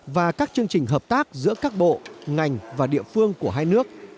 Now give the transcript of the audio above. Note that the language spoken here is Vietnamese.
và các chương trình hợp tác giữa các bộ ngành và địa phương của hai nước